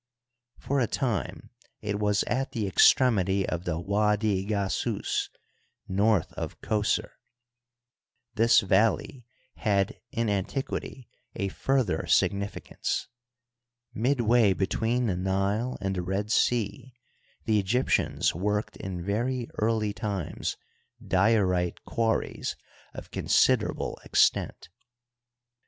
For a time it was at the extremity of the Widi Gasiis, north of Qos6r. This valley had in an tiquity a further significance. Midway between the Nile and the Red Sea the Egyptians worked in very early times diorite quarries of considerable extent.